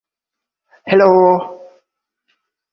Film scholars should take note.